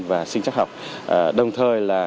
và sinh chắc học đồng thời là